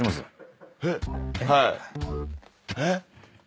はいえっ？